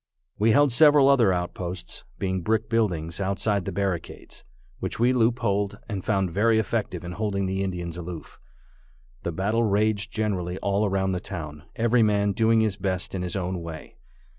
We held several other outposts, being brick buildings outside the barricades, which we loopholed, and found very effective in holding the Indians aloof. The battle raged generally all around the town, every man doing his best in his own way.